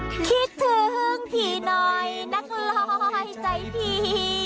คิดถึงหึ้งผีน้อยนักลอยใจผี